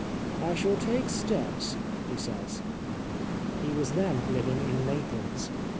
" I shall take steps," he says. He was then living in Naples.